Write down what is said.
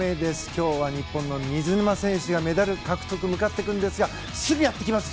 今日は日本の水沼選手がメダル獲得に向かっていくんですがすぐやってきます